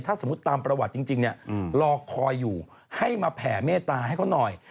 ถ้าสมมุติตามประวัติจริงเนี่ยรอคอยอยู่ให้มาแผ่เมตตาให้เขาหน่อย